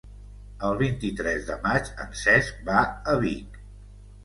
El vint-i-tres de maig en Cesc va a Vic.